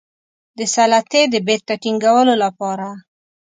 د سلطې د بیرته ټینګولو لپاره.